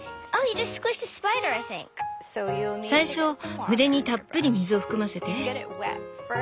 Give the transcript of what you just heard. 最初筆にたっぷり水を含ませて。